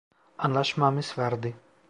Anlaşmamız vardı.